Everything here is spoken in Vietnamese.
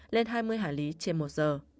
lên hai mươi hải lý trên một giờ